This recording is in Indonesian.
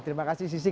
terima kasih sisi